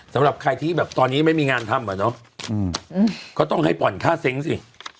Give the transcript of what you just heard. สำหรับใครที่แบบตอนนี้ไม่มีงานทำอ่ะเนอะก็ต้องให้ผ่อนค่าเซ้งสิ